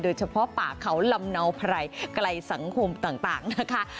โดยเฉพาะป่าเขาลำเนาไพรไกลสังคมต่างต่างนะคะ